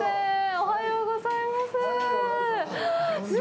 おはようございます。